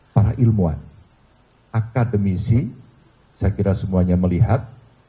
para ilmuwan akademisi saya kira semuanya melihat